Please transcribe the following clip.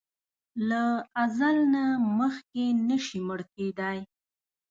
له اځل نه مخکې نه شې مړ کیدای!